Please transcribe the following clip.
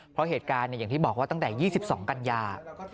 เพราะเหตุการณ์อย่างที่บอกว่าตั้งแต่๒๒กันยา